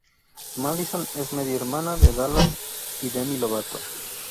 Madison es medio-hermana de Dallas y Demi Lovato.